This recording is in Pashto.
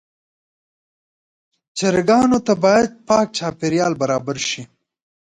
چرګانو ته باید پاک چاپېریال برابر شي.